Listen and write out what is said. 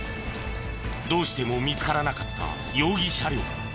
どうしても見つからなかった容疑車両。